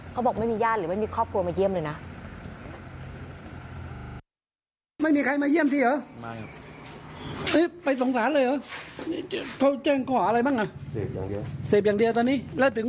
เขาบอกไม่มีญาติหรือไม่มีครอบครัวมาเยี่ยมเลยนะ